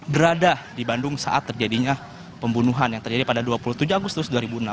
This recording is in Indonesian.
berada di bandung saat terjadinya pembunuhan yang terjadi pada dua puluh tujuh agustus dua ribu enam belas